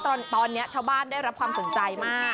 ตอนนี้ชาวบ้านได้รับความสนใจมาก